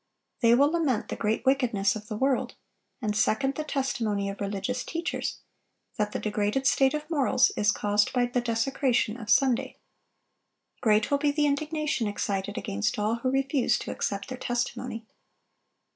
They will lament the great wickedness in the world, and second the testimony of religious teachers, that the degraded state of morals is caused by the desecration of Sunday. Great will be the indignation excited against all who refuse to accept their testimony.